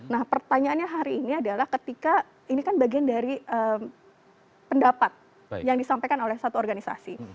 nah pertanyaannya hari ini adalah ketika ini kan bagian dari pendapat yang disampaikan oleh satu organisasi